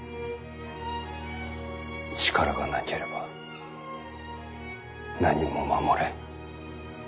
力がなければ何も守れん。